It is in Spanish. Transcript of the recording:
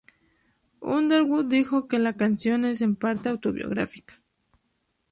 Underwood dijo que la canción es en parte autobiográfica.